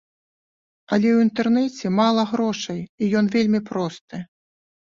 Але ў інтэрнэце мала грошай, і ён вельмі просты.